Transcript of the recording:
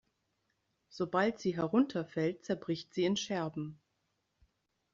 Sobald sie herunterfällt, zerbricht sie in Scherben.